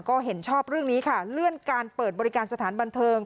ก็เห็นชอบเรื่องนี้ค่ะเลื่อนการเปิดบริการสถานบันเทิง